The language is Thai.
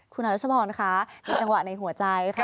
คุณอรัชพรค่ะมีจังหวะในหัวใจค่ะ